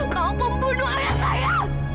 kau membunuh ayah saya